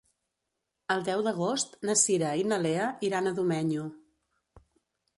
El deu d'agost na Cira i na Lea iran a Domenyo.